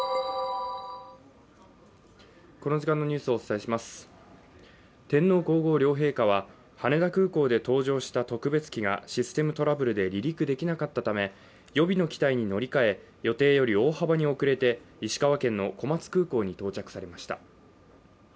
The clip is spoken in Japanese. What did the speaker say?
えええぇ⁉ＬＧ２１天皇皇后両陛下は羽田空港で搭乗した特別機がシステムトラブルで離陸できなかったため、予備の機体に乗り換え、予定より大幅に遅れて石川県の小松空港に到着されました。